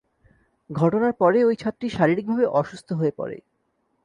ঘটনার পরে ওই ছাত্রী শারীরিকভাবে অসুস্থ হয়ে পড়ে।